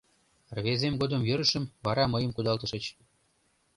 Рвезем годым йӧрышым, вара мыйым кудалтышыч